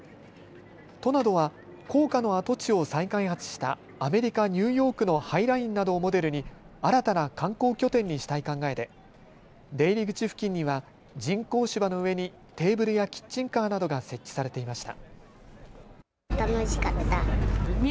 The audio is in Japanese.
都などは高架の跡地を再開発したアメリカ・ニューヨークのハイラインなどをモデルに新たな観光拠点にしたい考えで出入り口付近には人工芝の上にテーブルやキッチンカーなどが設置されていました。